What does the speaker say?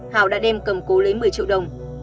hào đã đem cầm cố lấy một mươi triệu đồng